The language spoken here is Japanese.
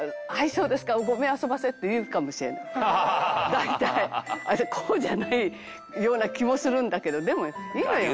「大体こうじゃないような気もするんだけどでもいいのよ。